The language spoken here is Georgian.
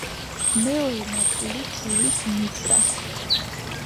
მეორე ნაწილი თვლის ნიტრას.